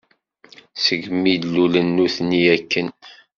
Segmi d-lulen nutni akken.